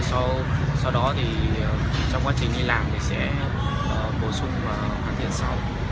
sau đó trong quá trình đi làm thì sẽ bổ sung hoàn thiện sau